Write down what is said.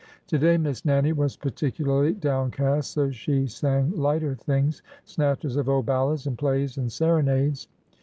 " To day Miss Nannie was particularly downcast, so she sang lighter things— snatches of old ballads and plays and serenades.